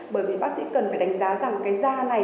bởi vì bác sĩ cần phải đánh giá rằng cái da này